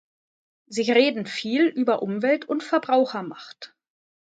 Sie reden viel über Umwelt und Verbrauchermacht.